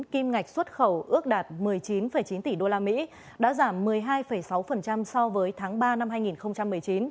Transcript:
kim ngạch xuất khẩu ước đạt một mươi chín chín tỷ usd đã giảm một mươi hai sáu so với tháng ba năm hai nghìn một mươi chín